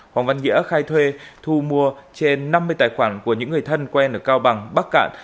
hoàng văn nghĩa khai thuê thu mua trên năm mươi tài khoản của những người thân quen ở cao bằng bắc cạn